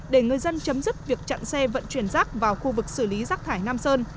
để người dân chấm dứt việc chặn xe vận chuyển rác vào khu vực xử lý rác thải nam sơn